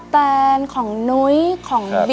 อินโทรเพลงที่๒เลยครับ